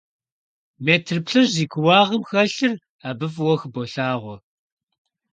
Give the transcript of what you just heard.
Метр плӏыщӏ зи кууагъым хэлъыр абы фӀыуэ хыболъагъуэ.